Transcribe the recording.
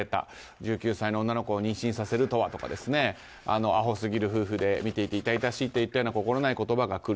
１９歳の女の子を妊娠させるとは、ですとかアホすぎる夫婦で見ていて痛々しいという心ない言葉が来る。